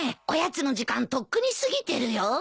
おやつの時間とっくに過ぎてるよ。